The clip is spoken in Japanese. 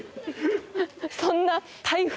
そんな。